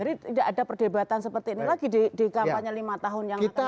jadi tidak ada perdebatan seperti ini lagi di kampanye lima tahun yang akan datang